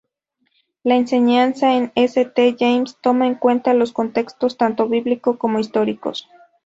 La enseñanza en St James' toma en cuenta los contextos tanto bíblicos como históricos.